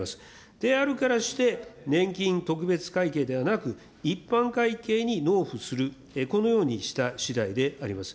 であるからして、年金特別会計ではなく、一般会計に納付する、このようにしたしだいであります。